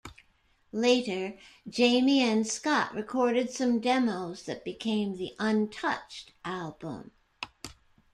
Later, Jamie and Scott recorded some demos that became the "Untouched" album.